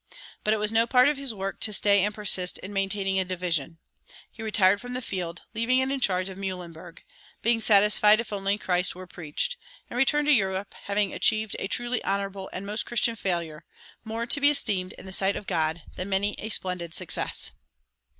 But it was no part of his work to stay and persist in maintaining a division. He retired from the field, leaving it in charge of Mühlenberg, "being satisfied if only Christ were preached," and returned to Europe, having achieved a truly honorable and most Christian failure, more to be esteemed in the sight of God than many a splendid success.